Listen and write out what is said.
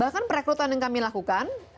bahkan perekrutan yang kami lakukan